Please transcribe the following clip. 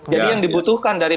jadi yang dibutuhkan dari